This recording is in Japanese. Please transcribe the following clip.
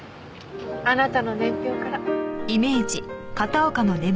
あなたの年表から。